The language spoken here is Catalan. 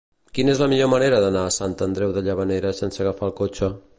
Quina és la millor manera d'anar a Sant Andreu de Llavaneres sense agafar el cotxe?